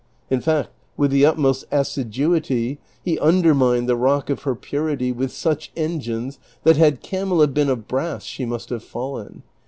In fact witii the utmost assiduity he undermined the rock of her purity with such engines that 288 DON QUIXOTE. had Camilla been of brass she must have fallen.